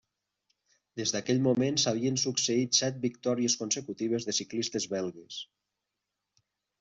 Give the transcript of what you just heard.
Des d'aquell moment s'havien succeït set victòries consecutives de ciclistes belgues.